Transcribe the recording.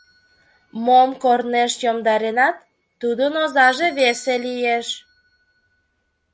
Мом корнеш йомдаренат, тудын озаже весе лиеш.